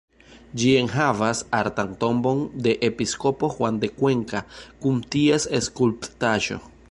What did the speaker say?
Ĝi enhavas artan tombon de episkopo Juan de Cuenca kun ties skulptaĵo.